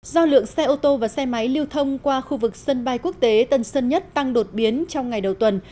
do lượng xe ô tô và xe máy lưu thông qua khu vực sân bay quốc tế tân sơn nhất tăng đột biến trong ngày đầu tuần